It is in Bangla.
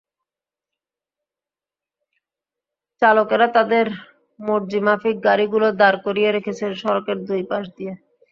চালকেরা তাঁদের মর্জিমাফিক গাড়িগুলো দাঁড় করিয়ে রেখেছেন সড়কের দুই পাশ দিয়ে।